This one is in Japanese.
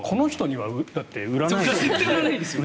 この人には売らないですよね。